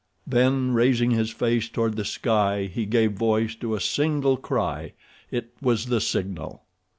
Then, raising his face toward the sky, he gave voice to a single cry. It was the signal.